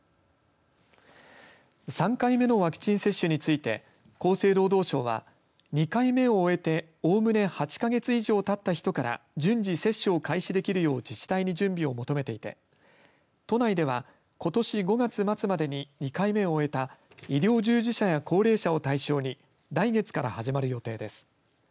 ３回目のワクチン接種について厚生労働省は２回目を終えておおむね８か月以上たった人から順次接種を開始できるよう自治体に準備を求めていて都内では、ことし５月末までに２回目を終えた医療従事者や高齢者を対象に来月から始まる予定です。